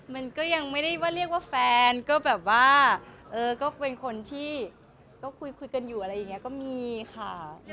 มันก็ยังไม่ได้ว่าเรียกว่าแฟนก็แบบว่าเออก็เป็นคนที่ก็คุยกันอยู่อะไรอย่างนี้ก็มีค่ะ